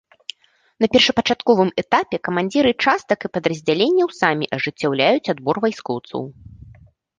На першапачатковым этапе камандзіры частак і падраздзяленняў самі ажыццяўляюць адбор вайскоўцаў.